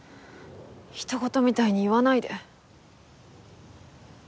人ごとみたいに言わないで。